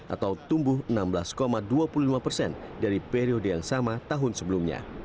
atau tumbuh enam belas dua puluh lima persen dari periode yang sama tahun sebelumnya